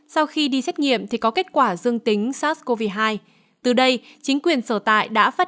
trong thử nghiệm thì có kết quả dương tính sars cov hai từ đây chính quyền sở tại đã phát